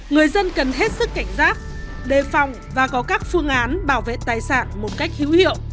người dân cần hết sức cảnh giác đề phòng và có các phương án bảo vệ tài sản một cách hữu hiệu